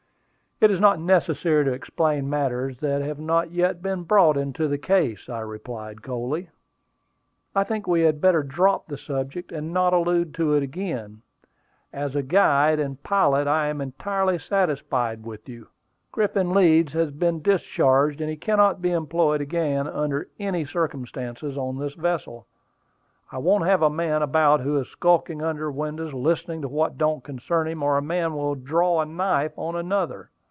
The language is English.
"It is not necessary to explain matters that have not yet been brought into the case," I replied coldly. "I think we had better drop the subject, and not allude to it again. As a guide and pilot, I am entirely satisfied with you. Griffin Leeds has been discharged; and he cannot be employed again under any circumstances on this vessel. I won't have a man about who is skulking under windows, listening to what don't concern him, or a man who will draw a knife on another."